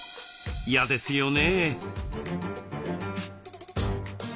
嫌ですよね。